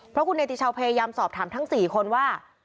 เพราะคุณเนติชาวพยายามสอบถามทั้ง๔คนว่า